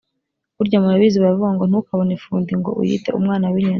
burya murabizi baravuga ngo: ”ntukabone ifundi ngo uyite umwana w’ inyoni,